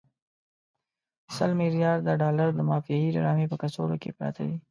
سل ملیارده ډالر د مافیایي ډرامې په کڅوړو کې پراته دي.